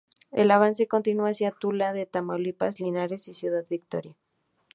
El avance continuó hacia Tula de Tamaulipas, Linares y Ciudad Victoria.